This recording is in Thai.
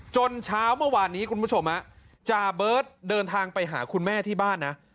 เช้าเมื่อวานนี้คุณผู้ชมจาเบิร์ตเดินทางไปหาคุณแม่ที่บ้านนะ